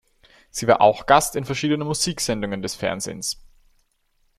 Sie war auch Gast in verschiedenen Musiksendungen des Fernsehens.